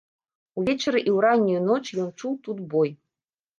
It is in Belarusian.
Увечары і ў раннюю ноч ён чуў тут бой.